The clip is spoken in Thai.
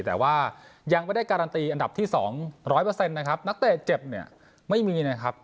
แต่ว่ายังไม่ได้การันตีอันดับที่สองร้อยเปอร์เซ็นต์นะครับนักเตะเจ็บเนี่ยไม่มีนะครับ